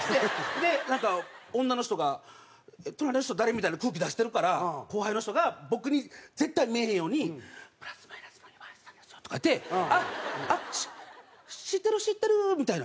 でなんか女の人が隣の人誰？みたいな空気出してるから後輩の人が僕に絶対見えへんように「プラス・マイナスの岩橋さんですよ」とか言って「あっあっ知ってる知ってる」みたいな。